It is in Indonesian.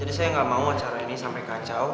jadi saya ga mau acara ini sampe kacau